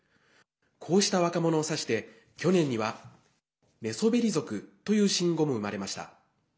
こうした若者を指して、去年には寝そべり族という新語も生まれました。